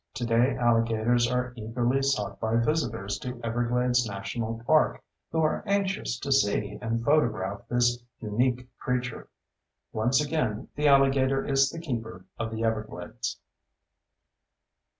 Today alligators are eagerly sought by visitors to Everglades National Park who are anxious to see and photograph this unique creature. Once again, the alligator is the keeper of the everglades.